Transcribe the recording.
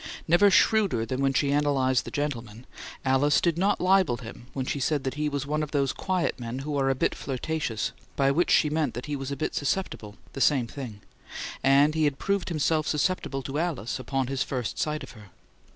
Never shrewder than when she analyzed the gentlemen, Alice did not libel him when she said he was one of those quiet men who are a bit flirtatious, by which she meant that he was a bit "susceptible," the same thing and he had proved himself susceptible to Alice upon his first sight of her.